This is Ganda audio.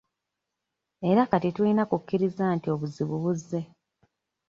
Era kati tulina kukkiriza nti obuzibu buzze.